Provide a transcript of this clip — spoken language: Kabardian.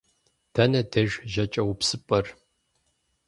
Дэнэ деж жьакӏэупсыпӏэр?